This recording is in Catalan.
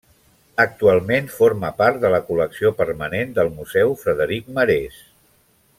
Actualment, forma part de la col·lecció permanent del Museu Frederic Marès.